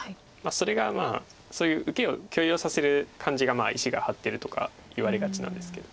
それがそういう受けを強要させる感じが石が張ってるとか言われがちなんですけど。